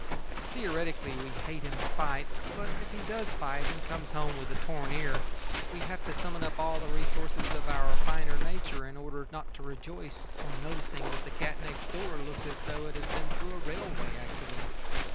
Theoretically, we hate him to fight, but, if he does fight and comes home with a torn ear, we have to summon up all the resources of our finer nature in order not to rejoice on noticing that the cat next door looks as though it had been through a railway accident.